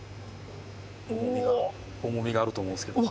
重みがあると思うんですけど。